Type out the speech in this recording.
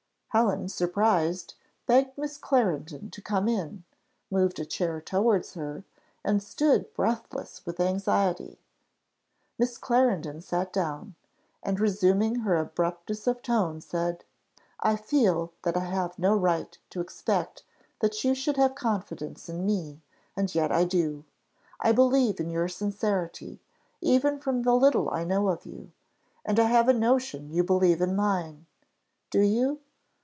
Helen, surprised, begged Miss Clarendon to come in, moved a chair towards her, and stood breathless with anxiety. Miss Clarendon sat down, and resuming her abruptness of tone, said, "I feel that I have no right to expect that you should have confidence in me, and yet I do. I believe in your sincerity, even from the little I know of you, and I have a notion you believe in mine. Do you?"